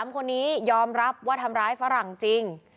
๓คนนี้ยอมรับว่าทำร้ายฝรั่งจริง